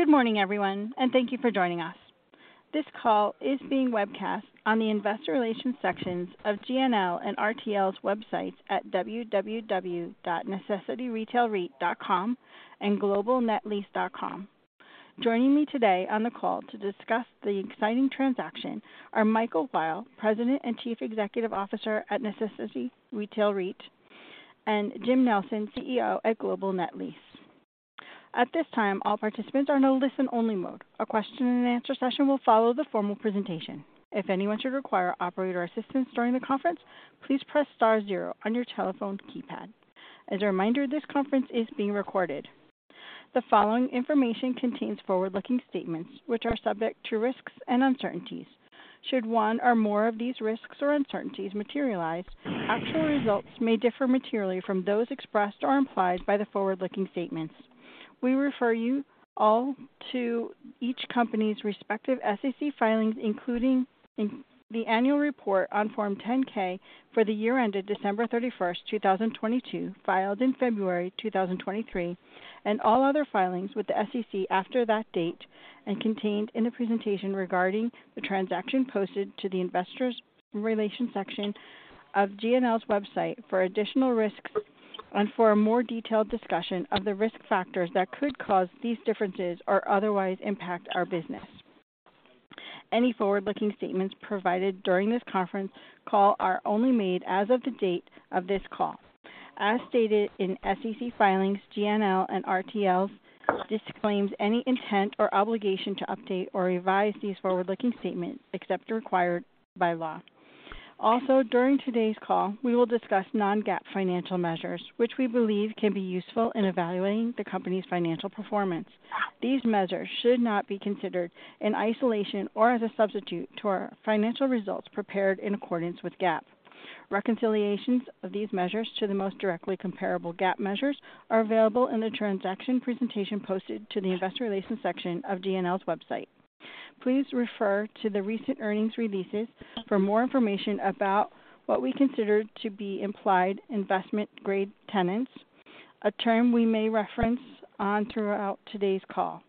Good morning everyone, thank you for joining us. This call is being webcast on the investor relations sections of GNL and RTL's websites at www.necessityretailreit.com and www.globalnetlease.com. Joining me today on the call to discuss the exciting transaction are Michael Weil, President and Chief Executive Officer at Necessity Retail REIT, and Jim Nelson, CEO at Global Net Lease. At this time, all participants are in a listen-only mode. A question and answer session will follow the formal presentation. If anyone should require operator assistance during the conference, please press star zero on your telephone keypad. As a reminder, this conference is being recorded. The following information contains forward-looking statements which are subject to risks and uncertainties. Should one or more of these risks or uncertainties materialize, actual results may differ materially from those expressed or implied by the forward-looking statements. We refer you all to each company's respective SEC filings, including in the annual report on Form 10-K for the year ended December 31st, 2022, filed in February 2023, and all other filings with the SEC after that date and contained in the presentation regarding the transaction posted to the investors relations section of GNL's website for additional risks and for a more detailed discussion of the risk factors that could cause these differences or otherwise impact our business. Any forward-looking statements provided during this conference call are only made as of the date of this call. As stated in SEC filings, GNL and RTL disclaims any intent or obligation to update or revise these forward-looking statements except required by law. Also, during today's call, we will discuss non-GAAP financial measures, which we believe can be useful in evaluating the company's financial performance. These measures should not be considered in isolation or as a substitute to our financial results prepared in accordance with GAAP. Reconciliations of these measures to the most directly comparable GAAP measures are available in the transaction presentation posted to the investor relations section of GNL's website. Please refer to the recent earnings releases for more information about what we consider to be implied investment-grade tenants, a term we may reference throughout today's call.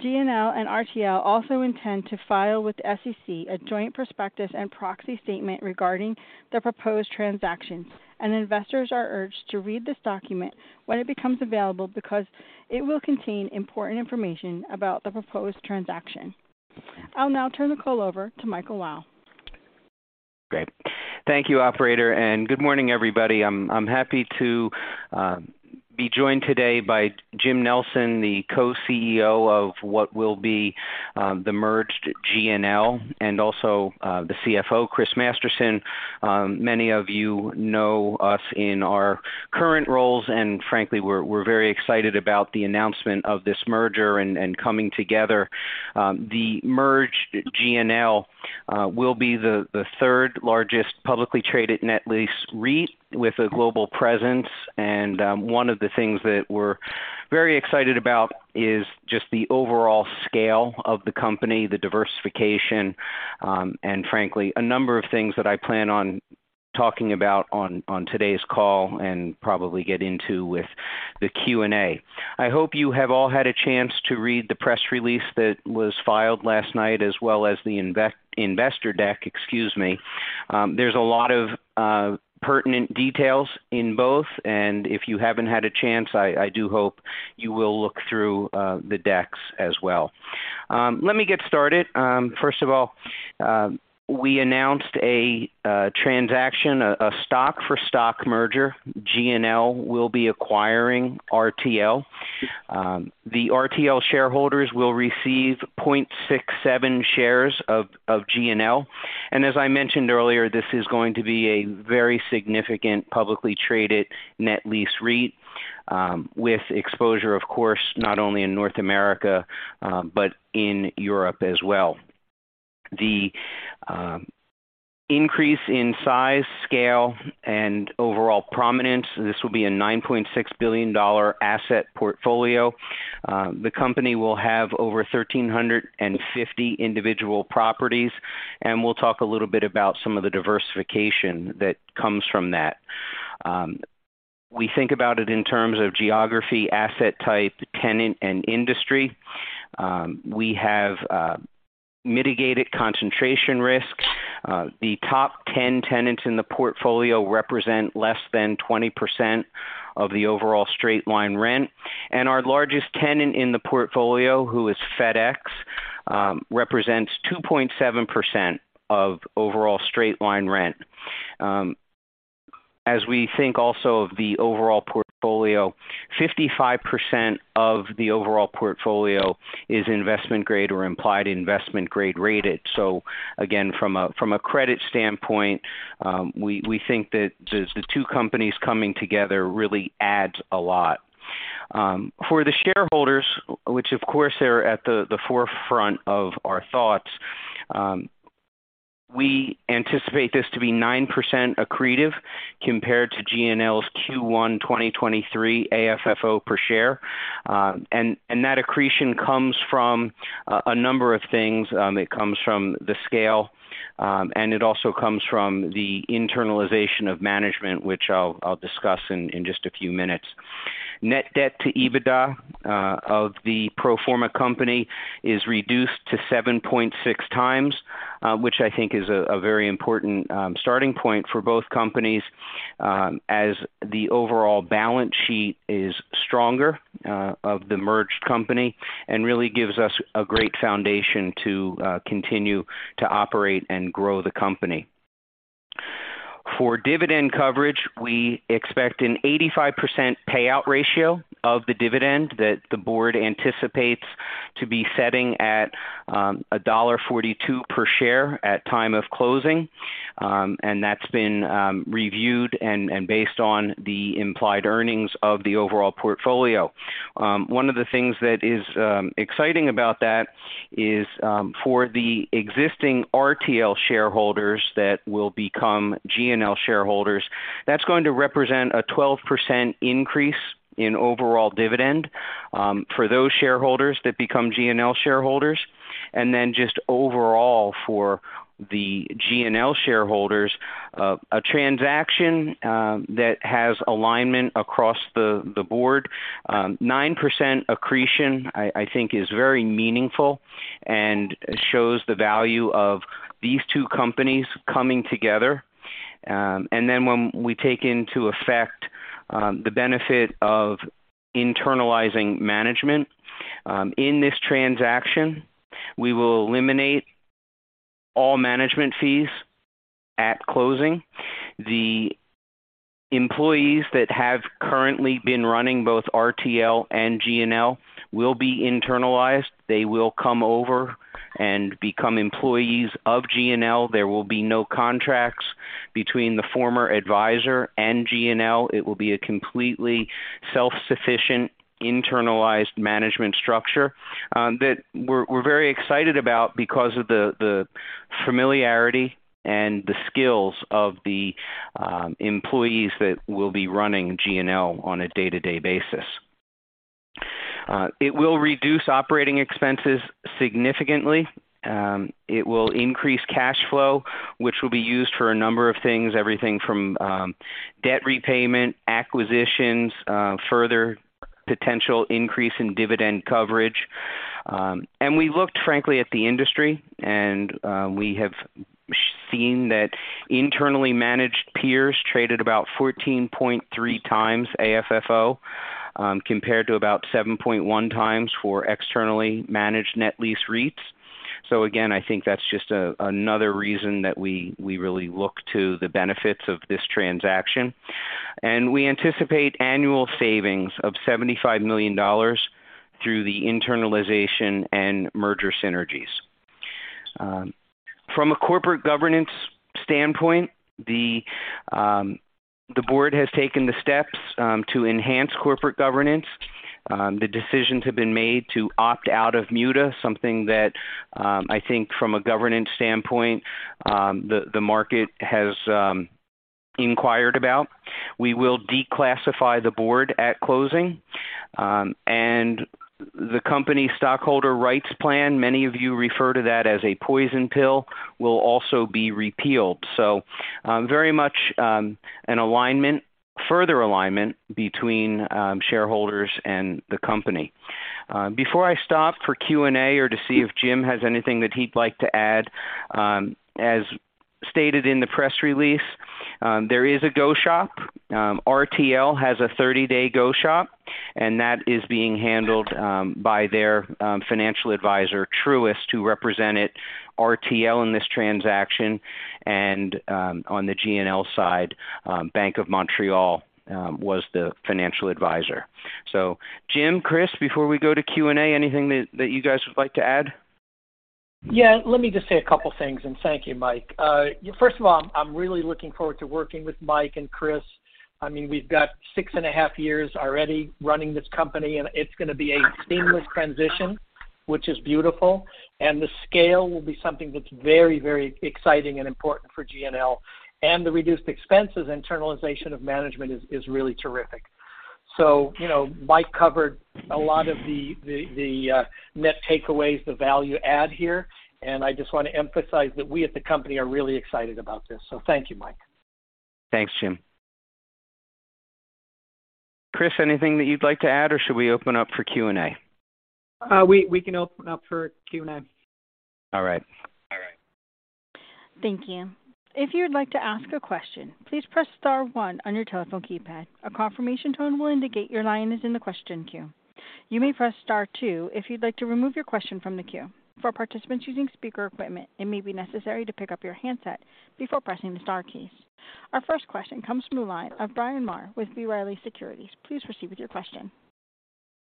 GNL and RTL also intend to file with the SEC a joint prospectus and proxy statement regarding the proposed transaction, and investors are urged to read this document when it becomes available because it will contain important information about the proposed transaction. I'll now turn the call over to Michael Weil. Great. Thank you, operator, and good morning, everybody. I'm happy to be joined today by Jim Nelson, the Co-CEO of what will be the merged GNL and also the CFO, Chris Masterson. Many of you know us in our current roles, and frankly, we're very excited about the announcement of this merger and coming together. The merged GNL will be the third largest publicly traded net lease REIT with a global presence. One of the things that we're very excited about is just the overall scale of the company, the diversification, and frankly, a number of things that I plan on talking about on today's call and probably get into with the Q&A. I hope you have all had a chance to read the press release that was filed last night, as well as the investor deck, excuse me. There's a lot of pertinent details in both, if you haven't had a chance, I do hope you will look through the decks as well. Let me get started. First of all, we announced a transaction, a stock for stock merger. GNL will be acquiring RTL. The RTL shareholders will receive 0.67 shares of GNL. As I mentioned earlier, this is going to be a very significant publicly traded net lease REIT, with exposure, of course, not only in North America, but in Europe as well. The increase in size, scale, and overall prominence, this will be a $9.6 billion asset portfolio. The company will have over 1,350 individual properties, and we'll talk a little bit about some of the diversification that comes from that. We think about it in terms of geography, asset type, tenant, and industry. We have mitigated concentration risks. The top 10 tenants in the portfolio represent less than 20% of the overall straight-line rent. Our largest tenant in the portfolio, who is FedEx, represents 2.7% of overall straight-line rent. As we think also of the overall portfolio, 55% of the overall portfolio is investment-grade or implied investment-grade rated. Again, from a credit standpoint, we think that the two companies coming together really adds a lot. For the shareholders, which of course, are at the forefront of our thoughts, we anticipate this to be 9% accretive compared to GNL's Q1 2023 AFFO per share. That accretion comes from a number of things. It comes from the scale, and it also comes from the internalization of management, which I'll discuss in just a few minutes. Net debt to EBITDA of the pro forma company is reduced to 7.6x, which I think is a very important starting point for both companies, as the overall balance sheet is stronger of the merged company and really gives us a great foundation to continue to operate and grow the company. For dividend coverage, we expect an 85% payout ratio of the dividend that the board anticipates to be setting at $1.42 per share at time of closing. That's been reviewed and based on the implied earnings of the overall portfolio. One of the things that is exciting about that is for the existing RTL shareholders that will become GNL shareholders, that's going to represent a 12% increase in overall dividend for those shareholders that become GNL shareholders. Just overall for the GNL shareholders, a transaction that has alignment across the board. 9% accretion I think is very meaningful and shows the value of these two companies coming together. When we take into effect, the benefit of internalizing management, in this transaction, we will eliminate all management fees at closing. The employees that have currently been running both RTL and GNL will be internalized. They will come over and become employees of GNL. There will be no contracts between the former advisor and GNL. It will be a completely self-sufficient, internalized management structure that we're very excited about because of the familiarity and the skills of the employees that will be running GNL on a day-to-day basis. It will reduce operating expenses significantly. It will increase cash flow, which will be used for a number of things, everything from debt repayment, acquisitions, further potential increase in dividend coverage. We looked frankly at the industry, we have seen that internally managed peers traded about 14.3x AFFO compared to about 7.1x for externally managed net lease REITs. Again, I think that's just another reason that we really look to the benefits of this transaction. We anticipate annual savings of $75 million through the internalization and merger synergies. From a corporate governance standpoint, the Board has taken the steps to enhance corporate governance. The decisions have been made to opt out of MUTA, something that I think from a governance standpoint, the market has inquired about. We will declassify the Board at closing. The company stockholder rights plan, many of you refer to that as a poison pill, will also be repealed. Very much an alignment, further alignment between shareholders and the company. Before I stop for Q&A or to see if Jim has anything that he'd like to add, as stated in the press release, there is a go-shop. RTL has a 30-day go-shop, and that is being handled by their financial advisor, Truist, who represented RTL in this transaction, and on the GNL side, Bank of Montreal was the financial advisor. Jim, Chris, before we go to Q&A, anything that you guys would like to add? Yeah. Let me just say a couple things. Thank you, Mike. First of all, I'm really looking forward to working with Mike and Chris. I mean, we've got six and a half years already running this company. It's gonna be a seamless transition, which is beautiful. The scale will be something that's very, very exciting and important for GNL. The reduced expenses, internalization of management is really terrific. You know, Mike covered a lot of the net takeaways, the value add here, and I just wanna emphasize that we at the company are really excited about this. Thank you, Mike. Thanks, Jim. Chris, anything that you'd like to add, or should we open up for Q&A? We can open up for Q&A. All right. Thank you. If you would like to ask a question, please press star one on your telephone keypad. A confirmation tone will indicate your line is in the question queue. You may press star two if you'd like to remove your question from the queue. For participants using speaker equipment, it may be necessary to pick up your handset before pressing the star keys. Our first question comes from the line of Bryan Maher with B. Riley Securities. Please proceed with your question.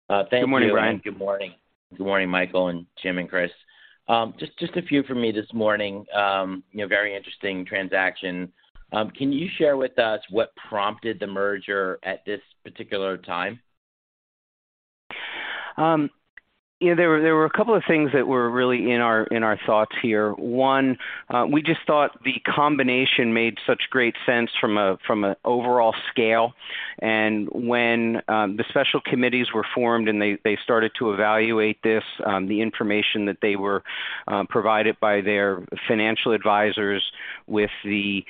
Thank you. Good morning, Bryan. Good morning, Michael and Jim and Chris. Just a few from me this morning. You know, very interesting transaction. Can you share with us what prompted the merger at this particular time? You know, there were a couple of things that were really in our thoughts here. One, we just thought the combination made such great sense from an overall scale. When the special committees were formed and they started to evaluate this, the information that they were provided by their financial advisors with the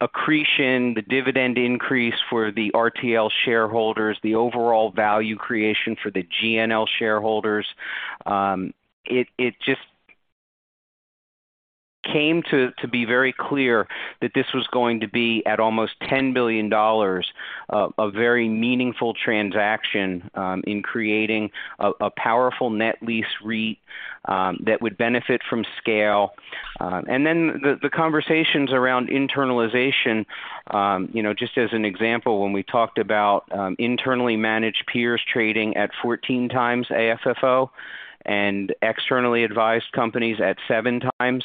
accretion, the dividend increase for the RTL shareholders, the overall value creation for the GNL shareholders. It just came to be very clear that this was going to be at almost $10 billion, a very meaningful transaction, in creating a powerful net lease REIT that would benefit from scale. The conversations around internalization, you know, just as an example, when we talked about internally managed peers trading at 14x AFFO and externally advised companies at 7x,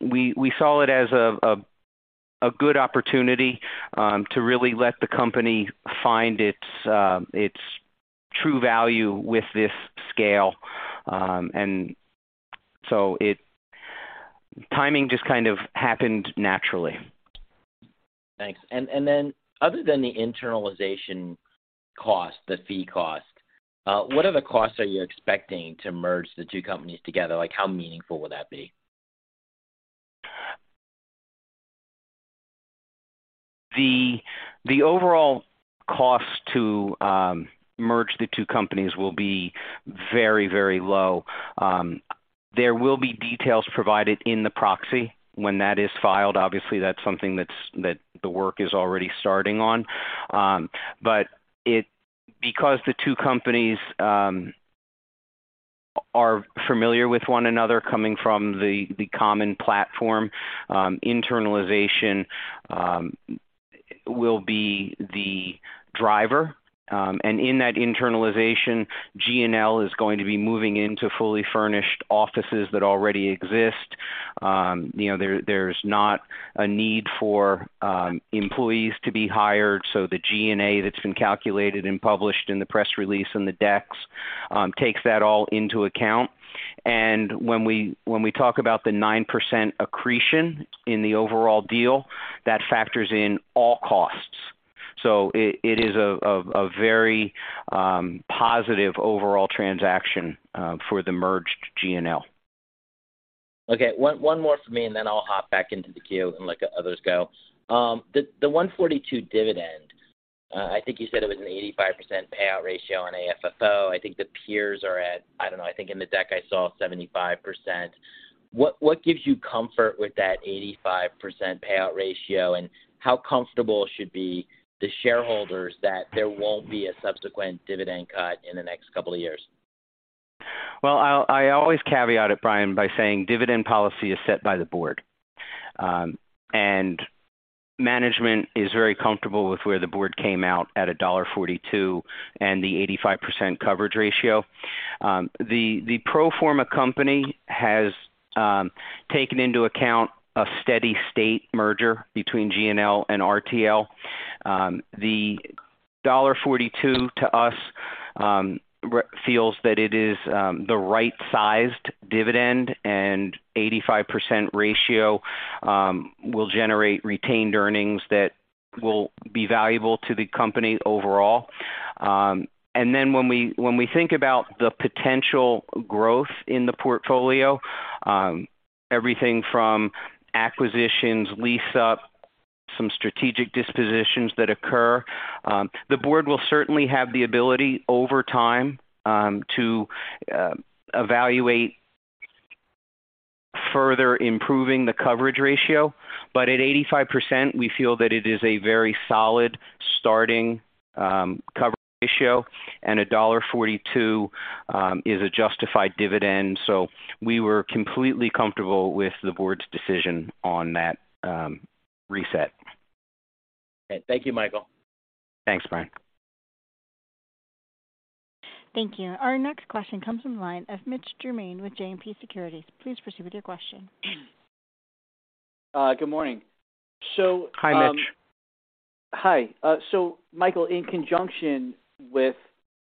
we saw it as a good opportunity to really let the company find its true value with this scale. Timing just kind of happened naturally. Thanks. Then other than the internalization cost, the fee cost, what other costs are you expecting to merge the two companies together? Like, how meaningful would that be? The overall cost to merge the two companies will be very, very low. There will be details provided in the proxy when that is filed. Obviously, that's something that the work is already starting on. Because the two companies are familiar with one another coming from the common platform, internalization will be the driver. In that internalization, GNL is going to be moving into fully furnished offices that already exist. You know, there's not a need for employees to be hired, so the G&A that's been calculated and published in the press release and the decks takes that all into account. When we talk about the 9% accretion in the overall deal, that factors in all costs. It is a very positive overall transaction for the merged GNL. Okay, one more for me, and then I'll hop back into the queue and let the others go. The $1.42 dividend, I think you said it was an 85% payout ratio on AFFO. I think the peers are at, I don't know, I think in the deck I saw 75%. What gives you comfort with that 85% payout ratio, and how comfortable should be the shareholders that there won't be a subsequent dividend cut in the next couple of years? Well, I always caveat it, Bryan, by saying dividend policy is set by the board. Management is very comfortable with where the board came out at $1.42 and the 85% coverage ratio. The pro forma company has taken into account a steady state merger between GNL and RTL. The $1.42 to us feels that it is the right sized dividend and 85% ratio will generate retained earnings that will be valuable to the company overall. When we think about the potential growth in the portfolio, everything from acquisitions, lease up, some strategic dispositions that occur, the board will certainly have the ability over time to evaluate further improving the coverage ratio. At 85%, we feel that it is a very solid starting coverage ratio, and $1.42 is a justified dividend. We were completely comfortable with the board's decision on that reset. Okay. Thank you, Michael. Thanks, Bryan. Thank you. Our next question comes from the line of Mitch Germain with JMP Securities. Please proceed with your question. Good morning. Hi, Mitch. Hi. Michael, in conjunction with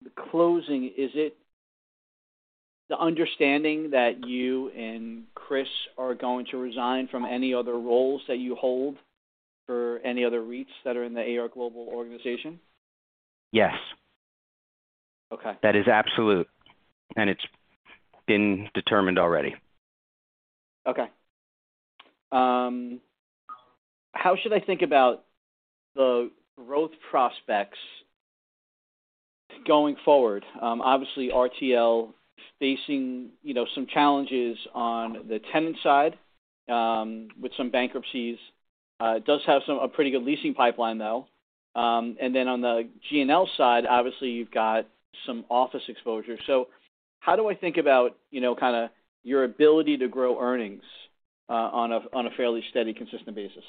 the closing, is it the understanding that you and Chris are going to resign from any other roles that you hold for any other REITs that are in the AR Global organization? Yes. Okay. That is absolute, and it's been determined already. How should I think about the growth prospects going forward? Obviously RTL facing, you know, some challenges on the tenant side, with some bankruptcies. It does have a pretty good leasing pipeline, though. On the GNL side, obviously you've got some office exposure. How do I think about, you know, kinda your ability to grow earnings, on a fairly steady, consistent basis?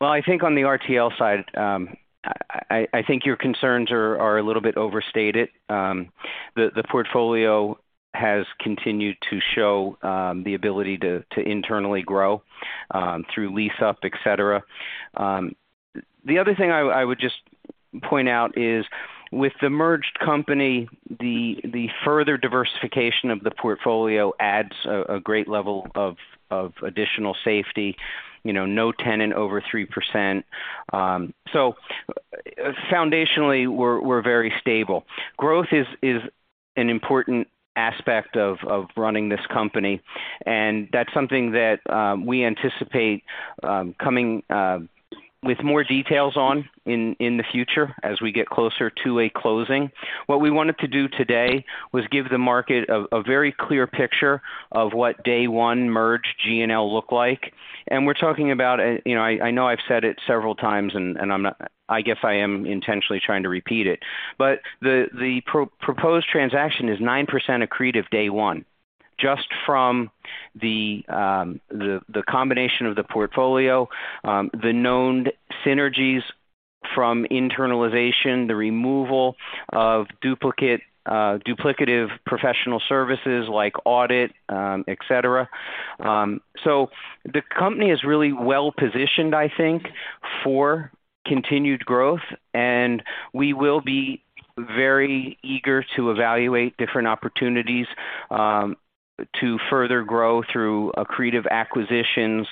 Well, I think on the RTL side, I think your concerns are a little bit overstated. The portfolio has continued to show the ability to internally grow through lease up, et cetera. The other thing I would just point out is with the merged company, the further diversification of the portfolio adds a great level of additional safety. You know, no tenant over 3%. Foundationally, we're very stable. Growth is an important aspect of running this company, and that's something that we anticipate coming with more details in the future as we get closer to a closing. What we wanted to do today was give the market a very clear picture of what day one merge GNL look like. We're talking about, you know, I know I've said it several times, and I guess I am intentionally trying to repeat it, but the proposed transaction is 9% accretive day one, just from the combination of the portfolio, the known synergies from internalization, the removal of duplicative professional services like audit, et cetera. The company is really well-positioned, I think, for continued growth, and we will be very eager to evaluate different opportunities to further grow through accretive acquisitions.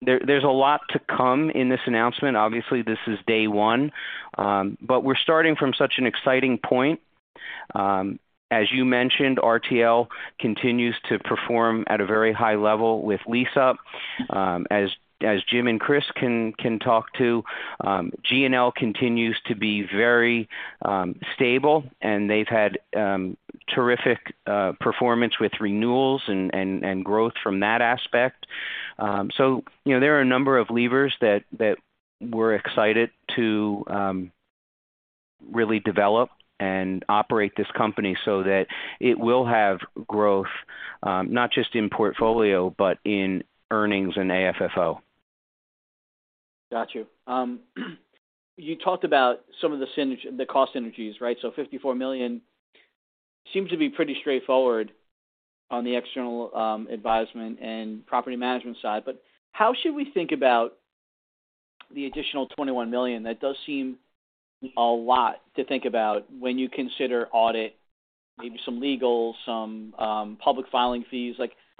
There's a lot to come in this announcement. Obviously, this is day one, but we're starting from such an exciting point. As you mentioned, RTL continues to perform at a very high level with lease-up. As Jim and Chris can talk to, GNL continues to be very stable, and they've had terrific performance with renewals and growth from that aspect. You know, there are a number of levers that we're excited to really develop and operate this company so that it will have growth not just in portfolio but in earnings and AFFO. Got you. You talked about some of the cost synergies, right? $54 million seems to be pretty straightforward on the external advisement and property management side. How should we think about the additional $21 million? That does seem a lot to think about when you consider audit, maybe some legal, some public filing fees.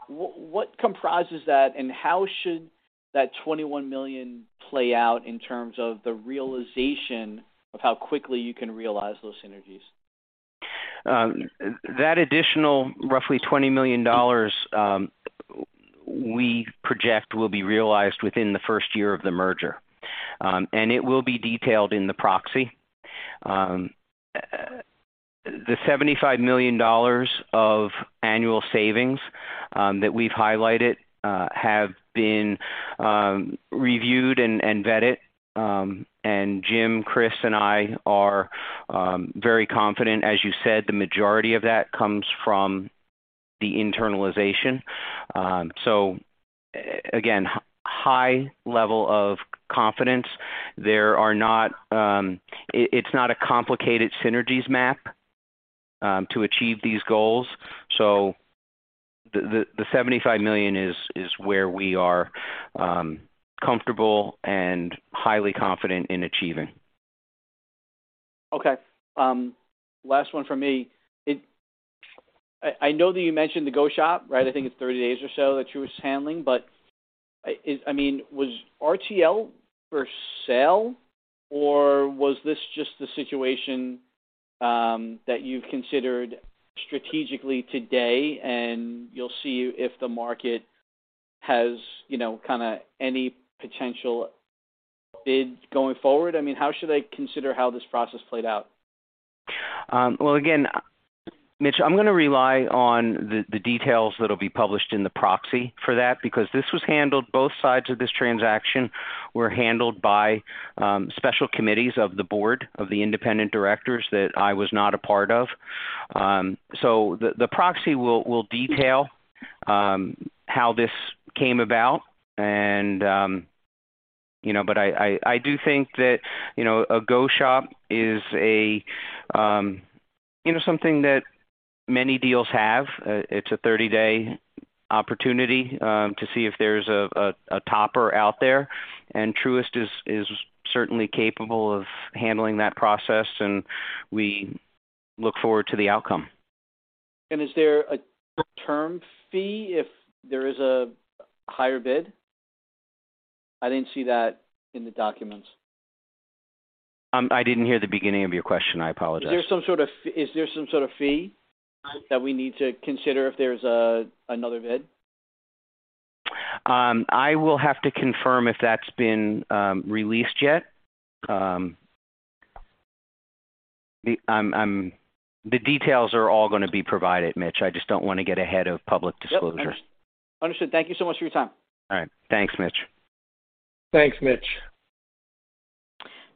What comprises that, and how should that $21 million play out in terms of the realization of how quickly you can realize those synergies? That additional roughly $20 million, we project will be realized within the first year of the merger. It will be detailed in the proxy. The $75 million of annual savings that we've highlighted, have been reviewed and vetted. Jim, Chris, and I are very confident. As you said, the majority of that comes from the internalization. Again, high level of confidence. There are not... It's not a complicated synergies map to achieve these goals. The $75 million is where we are comfortable and highly confident in achieving. Last one from me. I know that you mentioned the go-shop, right? I think it's 30 days or so that Truist is handling. I mean, was RTL for sale, or was this just the situation that you've considered strategically today and you'll see if the market has, you know, kinda any potential bid going forward? I mean, how should I consider how this process played out? Well, again, Mitch, I'm gonna rely on the details that'll be published in the proxy for that because this was handled, both sides of this transaction were handled by special committees of the board of the independent directors that I was not a part of. The proxy will detail how this came about. You know, but I do think that, you know, a go-shop is a, you know, something that many deals have. It's a 30-day opportunity to see if there's a topper out there. Truist is certainly capable of handling that process, and we look forward to the outcome. Is there a term fee if there is a higher bid? I didn't see that in the documents. I didn't hear the beginning of your question. I apologize. Is there some sort of fee that we need to consider if there's another bid? I will have to confirm if that's been released yet. The details are all gonna be provided, Mitch. I just don't wanna get ahead of public disclosure. Yep. Understood. Thank you so much for your time. All right. Thanks, Mitch. Thanks, Mitch.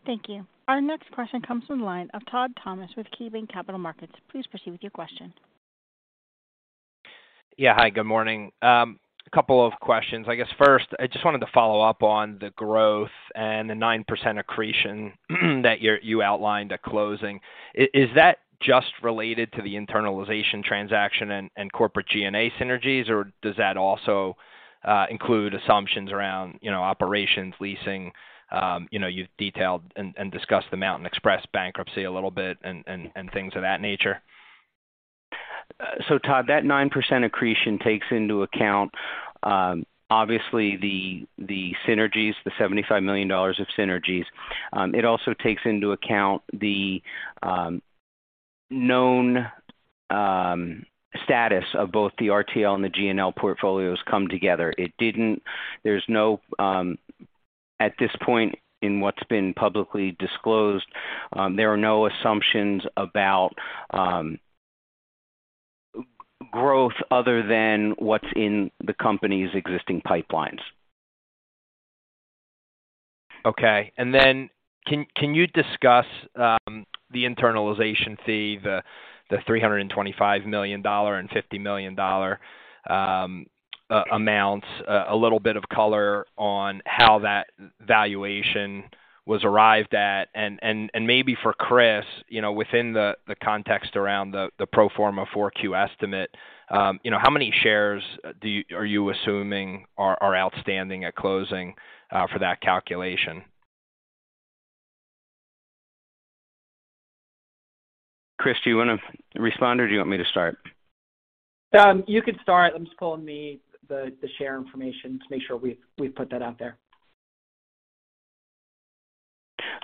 Thank you. Our next question comes from the line of Todd Thomas with KeyBanc Capital Markets. Please proceed with your question. Yeah. Hi, good morning. A couple of questions. I guess first, I just wanted to follow up on the growth and the 9% accretion that you outlined at closing. Is that just related to the internalization transaction and corporate G&A synergies, or does that also include assumptions around, you know, operations, leasing? You know, you've detailed and discussed the Mountain Express bankruptcy a little bit and things of that nature. Todd, that 9% accretion takes into account, obviously the synergies, the $75 million of synergies. It also takes into account the Known status of both the RTL and the GNL portfolios come together. There's no, at this point in what's been publicly disclosed, there are no assumptions about growth other than what's in the company's existing pipelines. Okay. Can you discuss the internalization fee, the $325 million and $50 million amounts, a little bit of color on how that valuation was arrived at? Maybe for Chris, you know, within the context around the pro forma 4Q estimate, you know, how many shares are you assuming are outstanding at closing for that calculation? Chris, do you wanna respond or do you want me to start? You could start. I'm just pulling the share information to make sure we've put that out there.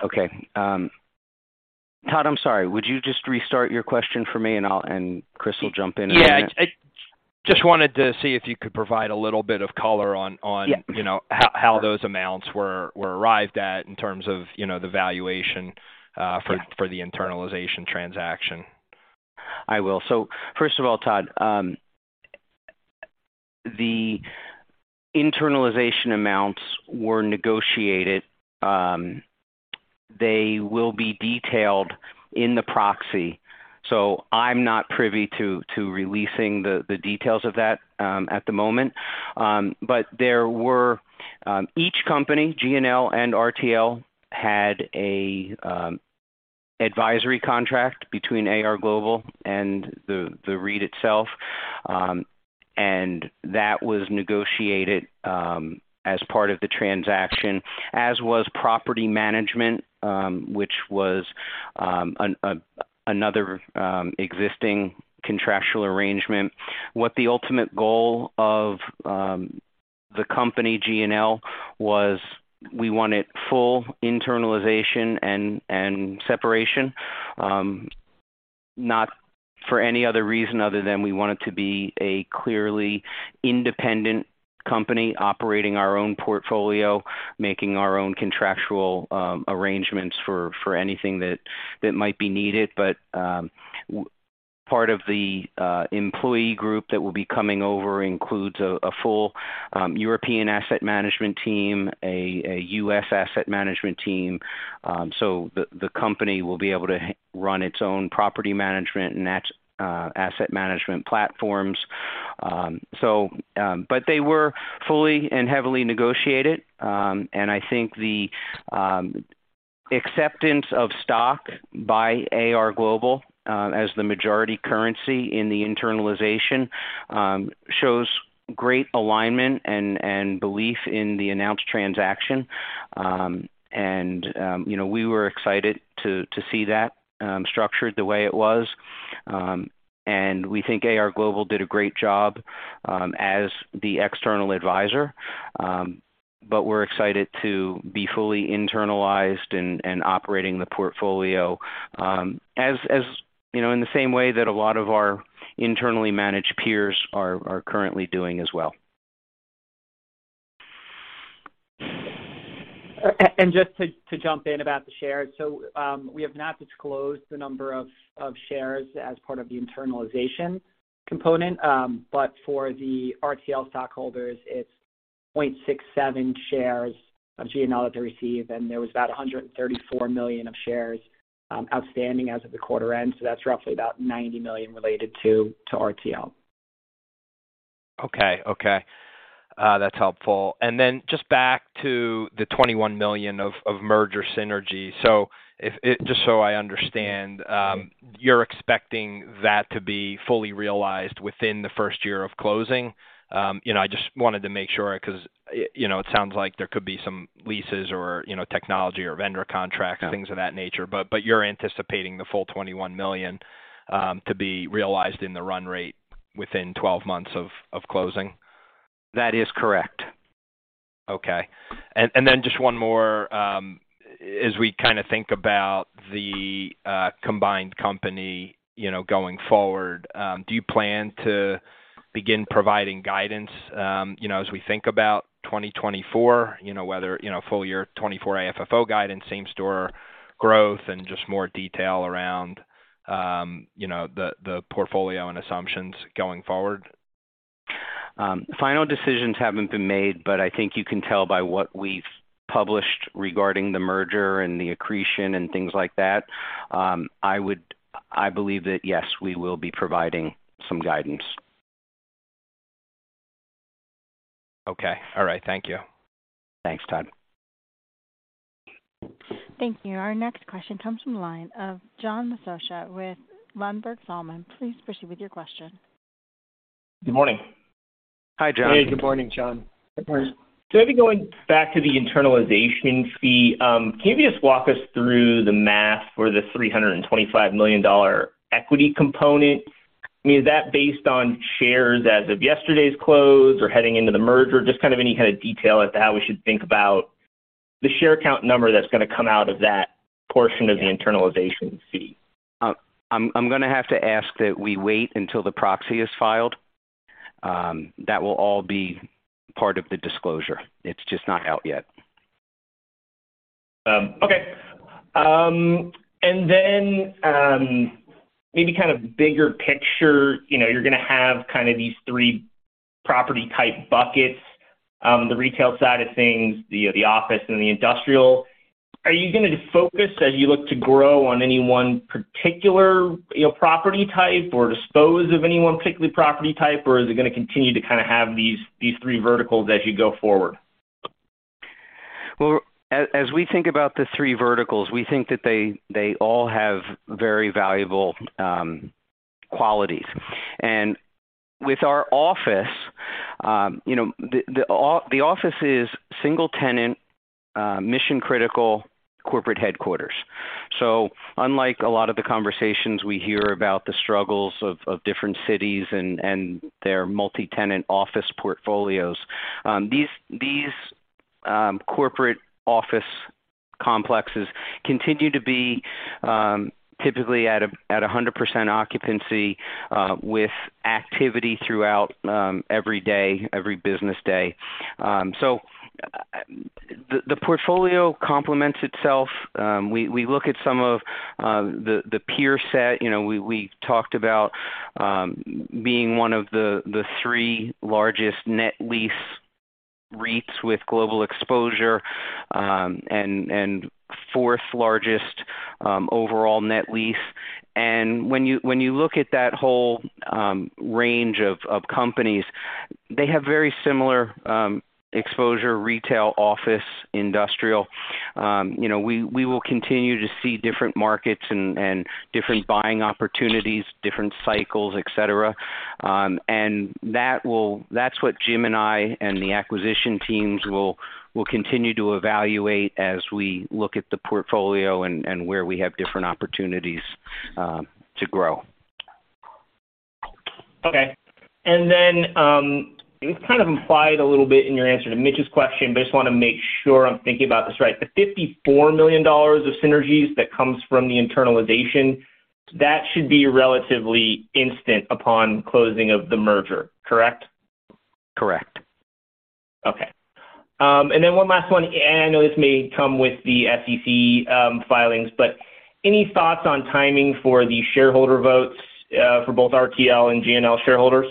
Okay. Todd, I'm sorry. Would you just restart your question for me and Chris will jump in in a minute? Yeah. I just wanted to see if you could provide a little bit of color on, you know, how those amounts were arrived at in terms of, you know, the valuation for the internalization transaction. I will. First of all, Todd, the internalization amounts were negotiated. They will be detailed in the proxy, so I'm not privy to releasing the details of that at the moment. Each company, GNL and RTL, had an advisory contract between AR Global and the REIT itself, and that was negotiated as part of the transaction, as was property management, which was another existing contractual arrangement. What the ultimate goal of the company GNL was we wanted full internalization and separation, not for any other reason other than we want it to be a clearly independent company operating our own portfolio, making our own contractual arrangements for anything that might be needed. Part of the employee group that will be coming over includes a full European asset management team, a U.S. asset management team, so the company will be able to run its own property management and asset management platforms. They were fully and heavily negotiated. I think the acceptance of stock by AR Global as the majority currency in the internalization shows great alignment and belief in the announced transaction. You know, we were excited to see that structured the way it was. We think AR Global did a great job as the external advisor. We're excited to be fully internalized and operating the portfolio, you know, in the same way that a lot of our internally managed peers are currently doing as well. Just to jump in about the shares. We have not disclosed the number of shares as part of the internalization component. For the RTL stockholders, it's 0.67 shares of GNL that they receive, and there was about $134 million of shares outstanding as of the quarter end. That's roughly about $90 million related to RTL. Okay. Okay. That's helpful. Just back to the $21 million of merger synergy. Just so I understand, you're expecting that to be fully realized within the first year of closing? You know, I just wanted to make sure 'cause you know, it sounds like there could be some leases or, you know, technology or vendor contracts, things of that nature. You're anticipating the full $21 million to be realized in the run rate within 12 months of closing? That is correct. Okay. Then just one more, as we kinda think about the combined company, you know, going forward, do you plan to begin providing guidance, you know, as we think about 2024, you know, whether, you know, full year 2024 AFFO guidance, same-store growth, and just more detail around, you know, the portfolio and assumptions going forward? Final decisions haven't been made, but I think you can tell by what we've published regarding the merger and the accretion and things like that. I believe that yes, we will be providing some guidance. Okay. All right. Thank you. Thanks, Todd. Thank you. Our next question comes from the line of John Massocca with Ladenburg Thalmann. Please proceed with your question. Good morning. Hi, John. Hey, good morning, John. Maybe going back to the internalization fee, can you just walk us through the math for the $325 million equity component? I mean, is that based on shares as of yesterday's close or heading into the merger? Just kind of any kind of detail as to how we should think about the share count number that's gonna come out of that portion of the internalization fee. I'm gonna have to ask that we wait until the proxy is filed. That will all be part of the disclosure. It's just not out yet. Okay. Maybe kind of bigger picture, you know, you're gonna have kind of these three property type buckets, the retail side of things, the office and the industrial. Are you gonna focus as you look to grow on any one particular, you know, property type or dispose of any one particular property type, or is it gonna continue to kind of have these three verticals as you go forward? As we think about the three verticals, we think that they all have very valuable qualities. With our office, you know, the office is single tenant, mission-critical corporate headquarters. Unlike a lot of the conversations we hear about the struggles of different cities and their multi-tenant office portfolios, these corporate office complexes continue to be typically at a 100% occupancy with activity throughout every day, every business day. The portfolio complements itself. We look at some of the peer set. You know, we talked about being one of the three largest net lease REITs with global exposure and fourth largest overall net lease. When you look at that whole range of companies, they have very similar exposure retail, office, industrial. You know, we will continue to see different markets and different buying opportunities, different cycles, et cetera. That's what Jim and I, and the acquisition teams will continue to evaluate as we look at the portfolio and where we have different opportunities to grow. Okay. It was kind of implied a little bit in your answer to Mitch's question, but I just wanna make sure I'm thinking about this right. The $54 million of synergies that comes from the internalization, that should be relatively instant upon closing of the merger. Correct? Correct. Okay. One last one, and I know this may come with the SEC filings, but any thoughts on timing for the shareholder votes for both RTL and GNL shareholders?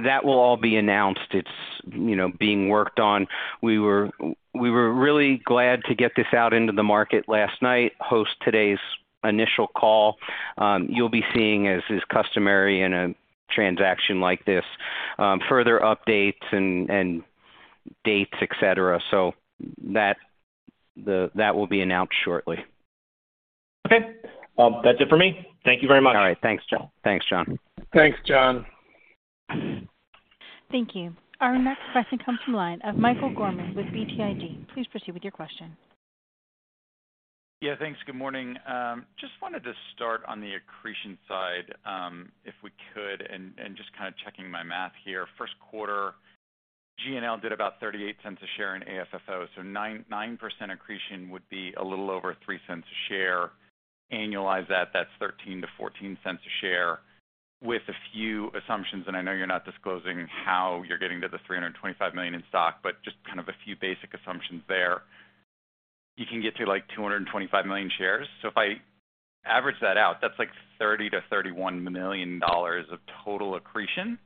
That will all be announced. It's, you know, being worked on. We were really glad to get this out into the market last night, host today's initial call. You'll be seeing, as is customary in a transaction like this, further updates and dates, et cetera. That, that will be announced shortly. That's it for me. Thank you very much. All right. Thanks, John. Thanks, John. Thanks, John. Thank you. Our next question comes from line of Michael Gorman with BTIG. Please proceed with your question. Yeah, thanks. Good morning. just wanted to start on the accretion side, if we could, and just kind of checking my math here. First quarter, GNL did about $0.38 a share in AFFO. 9% accretion would be a little over $0.03 a share. Annualize that's $0.13-$0.14 a share. With a few assumptions, and I know you're not disclosing how you're getting to the $325 million in stock, but just kind of a few basic assumptions there. You can get to, like, 225 million shares. If I average that out, that's like $30 million-$31 million of total accretion,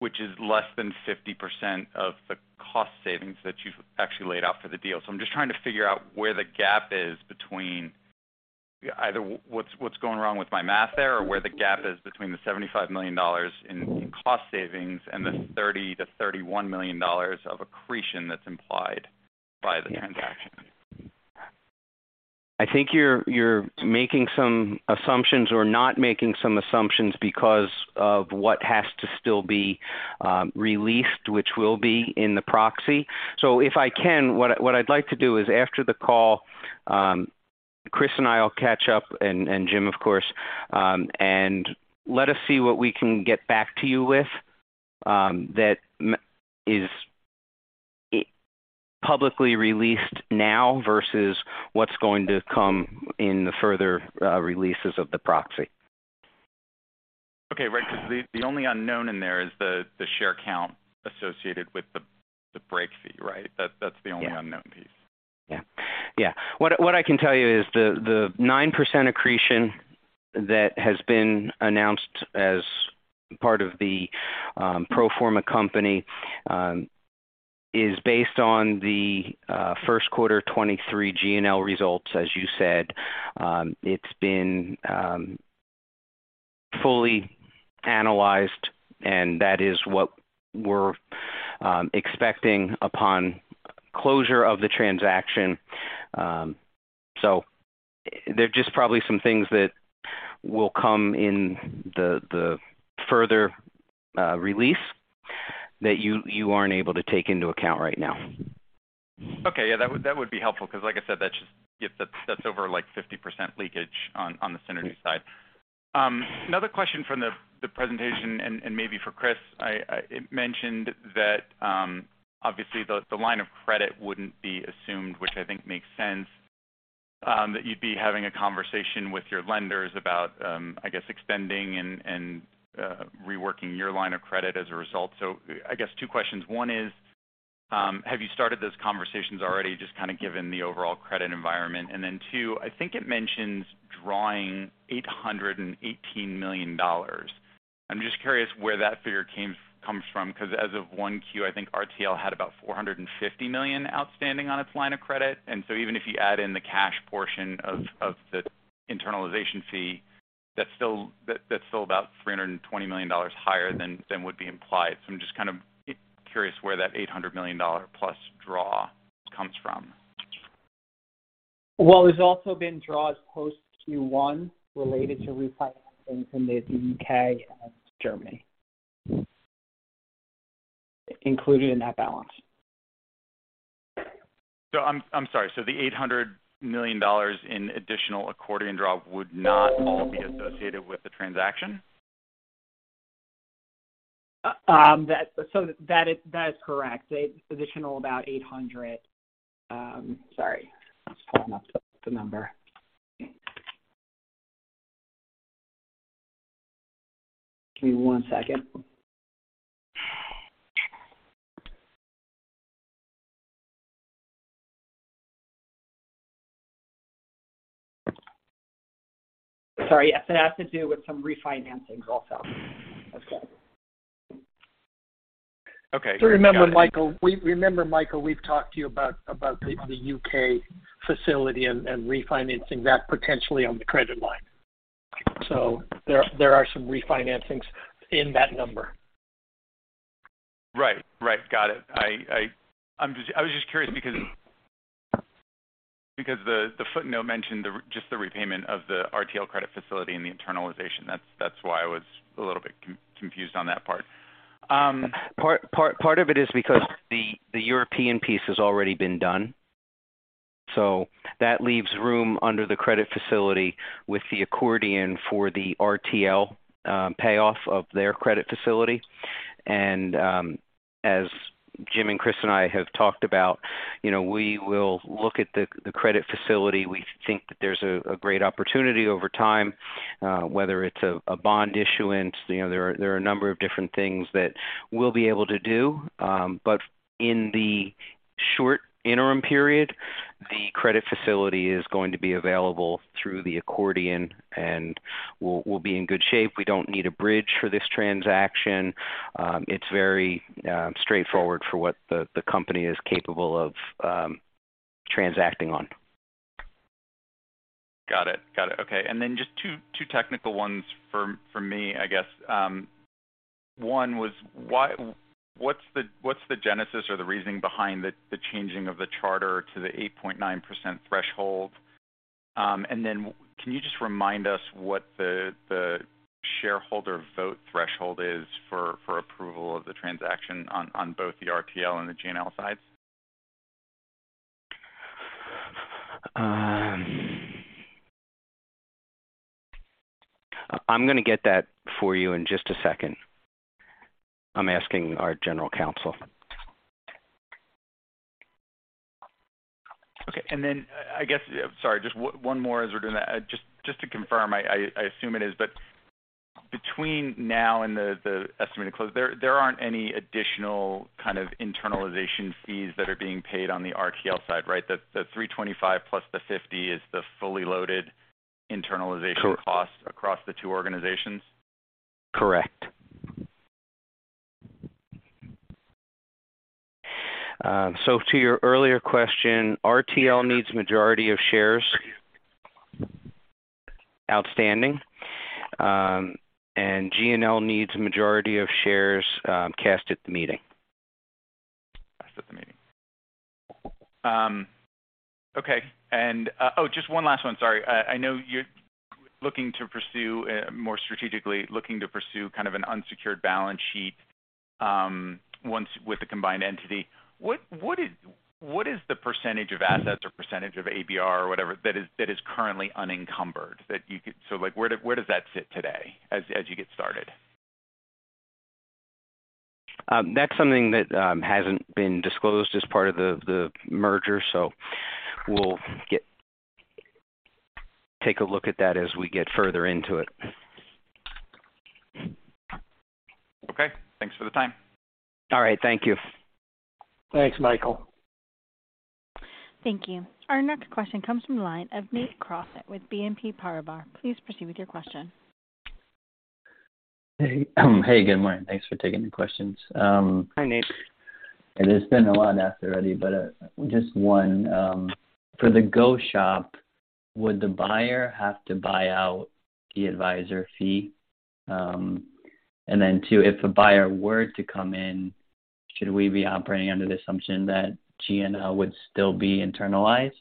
which is less than 50% of the cost savings that you've actually laid out for the deal. I'm just trying to figure out where the gap is between... either what's going wrong with my math there, or where the gap is between the $75 million in cost savings and the $30 million-$31 million of accretion that's implied by the transaction? I think you're making some assumptions or not making some assumptions because of what has to still be released, which will be in the proxy. If I can, what I'd like to do is after the call, Chris and I will catch up, and Jim of course, and let us see what we can get back to you with that is publicly released now versus what's going to come in the further releases of the proxy. Okay. Right. 'Cause the only unknown in there is the share count associated with the break fee, right? That's the only unknown piece. Yeah. What I can tell you is the 9% accretion that has been announced as part of the pro forma company is based on the first quarter 2023 GNL results, as you said. It's been fully analyzed, and that is what we're expecting upon closure of the transaction. There are just probably some things that will come in the further release that you aren't able to take into account right now. Okay. Yeah, that would be helpful because like I said, that's over, like, 50% leakage on the synergies side. Another question from the presentation and maybe for Chris. It mentioned that obviously the line of credit wouldn't be assumed, which I think makes sense, that you'd be having a conversation with your lenders about, I guess, extending and reworking your line of credit as a result. I guess two questions. One is, have you started those conversations already just kind of given the overall credit environment? Two, I think it mentions drawing $818 million. I'm just curious where that figure comes from, 'cause as of 1Q, I think RTL had about $450 million outstanding on its line of credit. Even if you add in the cash portion of the internalization fee, that's still about $320 million higher than would be implied. I'm just kind of curious where that $800 million+ draw comes from? There's also been draws post Q1 related to refinancing from the U.K. and Germany included in that balance. I'm sorry. The $800 million in additional accordion draw would not all be associated with the transaction? That is, that is correct. Additional about $800 million. Sorry, just pulling up the number. Give me one second. Sorry. Yes, it has to do with some refinancings also. That's it. Okay. Remember, Michael, we've talked to you about the U.K. facility and refinancing that potentially on the credit line. There are some refinancings in that number. Right. Right. Got it. I was just curious because the footnote mentioned just the repayment of the RTL credit facility and the internalization. That's why I was a little bit confused on that part. Part of it is because the European piece has already been done. That leaves room under the credit facility with the accordion for the RTL payoff of their credit facility. As Jim and Chris and I have talked about, you know, we will look at the credit facility. We think that there's a great opportunity over time, whether it's a bond issuance. You know, there are a number of different things that we'll be able to do. In the short interim period, the credit facility is going to be available through the accordion, and we'll be in good shape. We don't need a bridge for this transaction. It's very straightforward for what the company is capable of transacting on. Got it. Okay. One was what's the genesis or the reasoning behind the changing of the charter to the 8.9% threshold? Can you just remind us what the shareholder vote threshold is for approval of the transaction on both the RTL and the GNL sides? I'm gonna get that for you in just a second. I'm asking our general counsel. Okay. I guess, sorry, just one more as we're doing that. Just to confirm, I assume it is, but between now and the estimated close, there aren't any additional kind of internalization fees that are being paid on the RTL side, right? The $325 + $50 is the fully loaded internalization costs across the two organizations. Correct. To your earlier question, RTL needs majority of shares outstanding, and GNL needs a majority of shares, cast at the meeting. Cast at the meeting. Okay. Oh, just one last one. Sorry. I know you're looking to pursue more strategically, looking to pursue kind of an unsecured balance sheet once with the combined entity. What is the percentage of assets or percentage of ABR or whatever that is, that is currently unencumbered that you could like, where does that sit today as you get started? That's something that hasn't been disclosed as part of the merger. We'll take a look at that as we get further into it. Okay. Thanks for the time. All right. Thank you. Thanks, Michael. Thank you. Our next question comes from the line of Nate Crossett with BNP Paribas. Please proceed with your question. Hey. Hey, good morning. Thanks for taking the questions. Hi, Nate. It has been a lot asked already, just one. For the go-shop, would the buyer have to buy out the advisor fee? And then two, if a buyer were to come in, should we be operating under the assumption that GNL would still be internalized?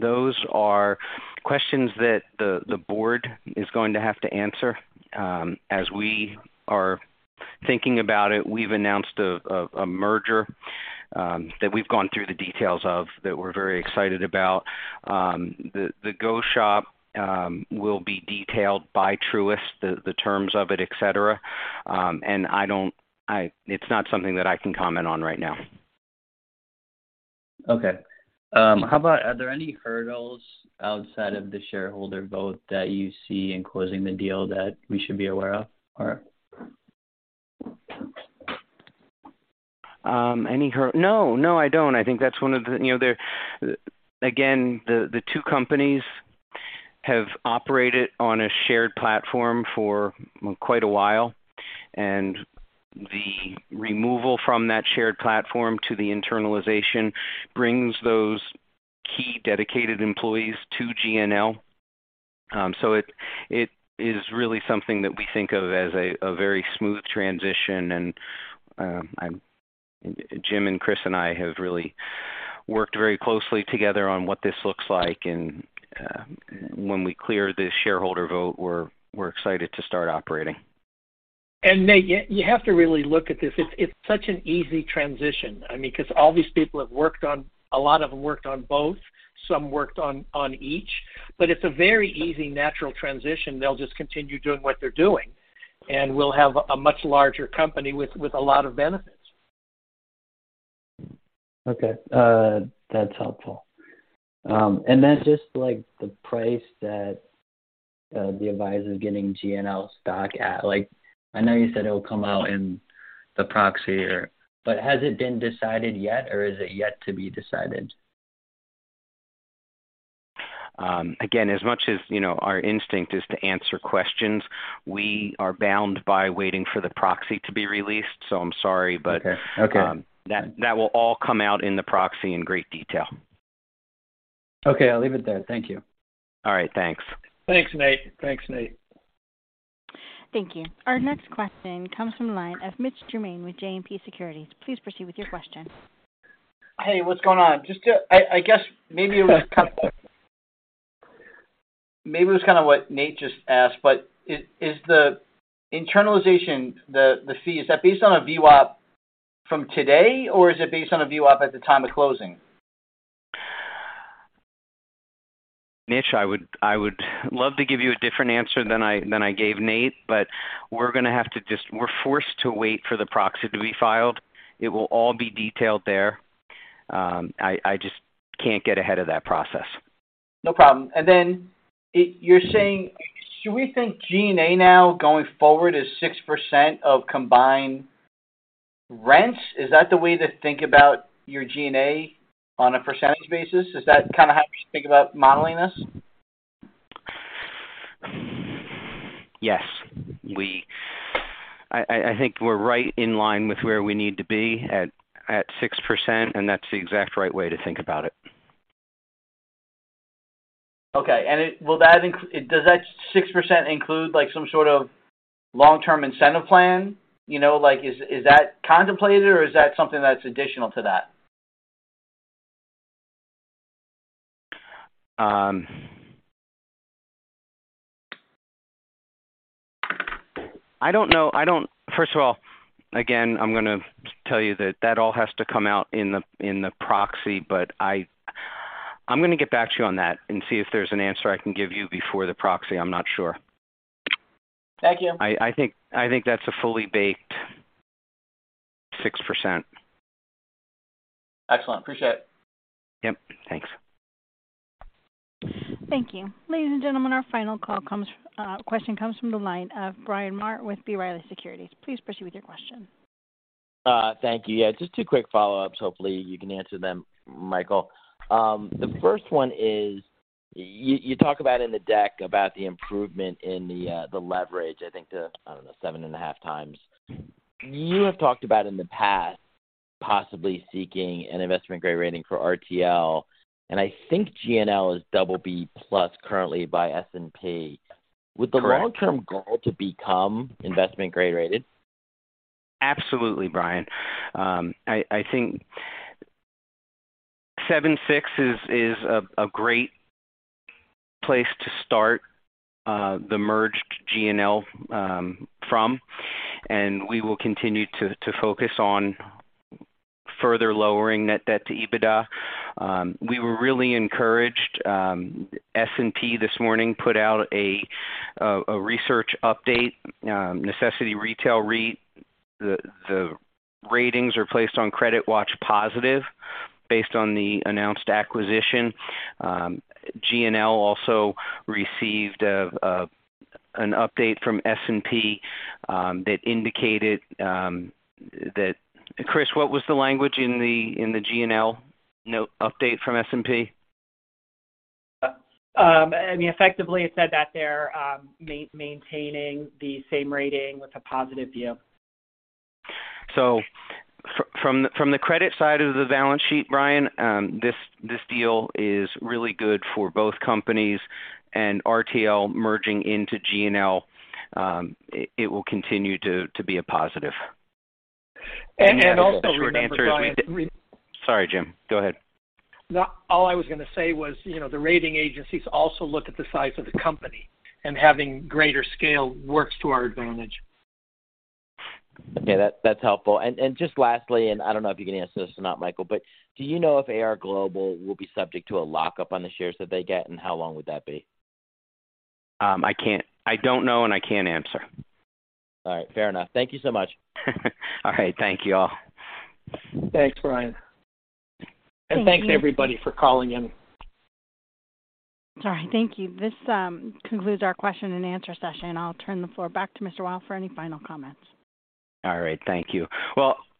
Those are questions that the board is going to have to answer. As we are thinking about it, we've announced a merger that we've gone through the details of that we're very excited about. The go-shop will be detailed by Truist, the terms of it, et cetera. I don't. It's not something that I can comment on right now. Okay. How about are there any hurdles outside of the shareholder vote that you see in closing the deal that we should be aware of or? No, no, I don't. I think that's one of the, you know, again, the two companies have operated on a shared platform for quite a while, and the removal from that shared platform to the internalization brings those key dedicated employees to GNL. So it is really something that we think of as a very smooth transition. Jim and Chris and I have really worked very closely together on what this looks like. When we clear this shareholder vote, we're excited to start operating. Nate, you have to really look at this. It's such an easy transition. I mean, 'cause all these people have worked on. A lot of them worked on both, some worked on each. It's a very easy natural transition. They'll just continue doing what they're doing, and we'll have a much larger company with a lot of benefits. Okay. That's helpful. Then just like the price that the advisor is getting GNL stock at, like, I know you said it will come out in the proxy or, but has it been decided yet or is it yet to be decided? Again, as much as, you know, our instinct is to answer questions, we are bound by waiting for the proxy to be released. I'm sorry. Okay. Okay. That, that will all come out in the proxy in great detail. Okay. I'll leave it there. Thank you. All right. Thanks. Thanks, Nate. Thanks, Nate. Thank you. Our next question comes from the line of Mitch Germain with JMP Securities. Please proceed with your question. Hey, what's going on? I guess maybe it was kind of what Nate just asked, but is the internalization, the fee, is that based on a VWAP from today, or is it based on a VWAP at the time of closing? Mitch, I would love to give you a different answer than I gave Nate, but we're gonna have to just we're forced to wait for the proxy to be filed. It will all be detailed there. I just can't get ahead of that process. No problem. You're saying, should we think G&A now going forward is 6% of combined rents? Is that the way to think about your G&A on a percentage basis? Is that kind of how you think about modeling this? Yes. I think we're right in line with where we need to be at 6%. That's the exact right way to think about it. Okay. Does that 6% include like some sort of long-term incentive plan? You know, like, is that contemplated or is that something that's additional to that? I don't know. First of all, again, I'm gonna tell you that all has to come out in the proxy. I'm gonna get back to you on that and see if there's an answer I can give you before the proxy. I'm not sure. Thank you. I think that's a fully baked 6%. Excellent. Appreciate it. Yep. Thanks. Thank you. Ladies and gentlemen, our final question comes from the line of Bryan Maher with B. Riley Securities. Please proceed with your question. Thank you. Yeah, just two quick follow-ups. Hopefully, you can answer them, Michael. The first one is, you talk about in the deck about the improvement in the leverage, 7.5x. You have talked about in the past possibly seeking an investment-grade rating for RTL, and I think GNL is BB+ currently by S&P. Would the long-term goal to become investment-grade rated? Absolutely, Bryan. I think 7.6x is a great place to start the merged GNL from. We will continue to focus on further lowering net debt to EBITDA. We were really encouraged. S&P this morning put out a research update, Necessity Retail REIT. The ratings are placed on CreditWatch positive based on the announced acquisition. GNL also received an update from S&P that indicated that, Chris, what was the language in the GNL note update from S&P? I mean, effectively, it said that they're maintaining the same rating with a positive view. From the credit side of the balance sheet, Bryan, this deal is really good for both companies and RTL merging into GNL, it will continue to be a positive. Also remember, Bryan- Sorry, Jim. Go ahead. No, all I was gonna say was, you know, the rating agencies also look at the size of the company, and having greater scale works to our advantage. Okay. That's helpful. Just lastly, and I don't know if you can answer this or not, Michael, but do you know if AR Global will be subject to a lock-up on the shares that they get, and how long would that be? I can't. I don't know, and I can't answer. All right. Fair enough. Thank you so much. All right. Thank you all. Thanks, Bryan. And thanks, everybody, for calling in. All right. Thank you. This concludes our question and answer session. I'll turn the floor back to Mr. Weil for any final comments. Thank you.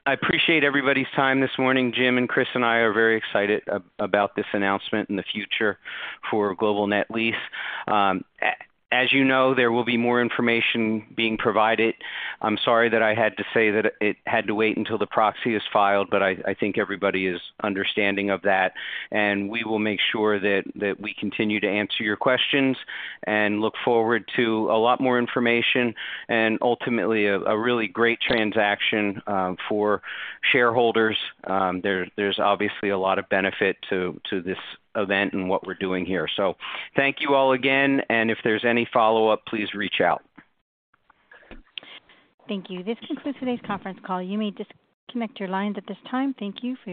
I appreciate everybody's time this morning. Jim and Chris and I are very excited about this announcement and the future for Global Net Lease. As you know, there will be more information being provided. I'm sorry that I had to say that it had to wait until the proxy is filed, but I think everybody is understanding of that. We will make sure that we continue to answer your questions and look forward to a lot more information and ultimately a really great transaction for shareholders. There's obviously a lot of benefit to this event and what we're doing here. Thank you all again, and if there's any follow-up, please reach out. Thank you. This concludes today's conference call. You may disconnect your lines at this time. Thank you for your participation.